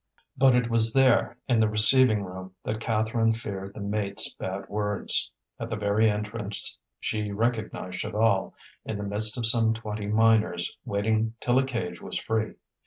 But it was there, in the receiving room, that Catherine feared the mates' bad words. At the very entrance she recognized Chaval, in the midst of some twenty miners, waiting till a cage was free.